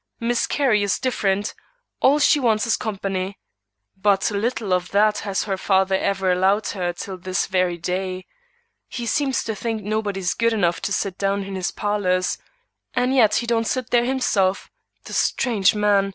Miss Carrie is different; all she wants is company. But little of that has her father ever allowed her till this very day. He seems to think nobody is good enough to sit down in his parlors; and yet he don't sit there himself, the strange man!